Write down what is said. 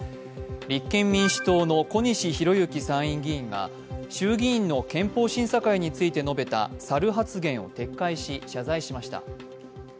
立憲民主党の小西洋之参院議員が衆議院の憲法審査会について述べた猿発言を撤回し謝罪しました。